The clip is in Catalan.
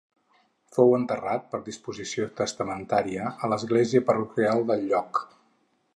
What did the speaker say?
Fou enterrat, per disposició testamentària, a l'església parroquial del lloc.